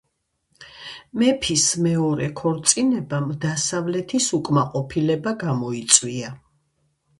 მეფის მეორე ქორწინებამ დასავლეთის უკმაყოფილება გამოიწვია.